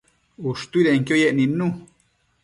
ushtuidenquio yec nidnu